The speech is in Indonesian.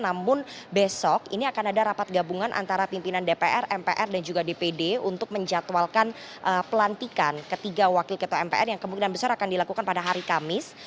namun besok ini akan ada rapat gabungan antara pimpinan dpr mpr dan juga dpd untuk menjatuhalkan pelantikan ketiga wakil ketua mpr yang kemungkinan besar akan dilakukan pada hari kamis